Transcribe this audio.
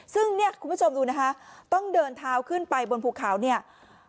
ซึ่งต้องเดินทางแล้วขึ้นไปบนภูเขามันใดกว่า๔๐๐ขั้น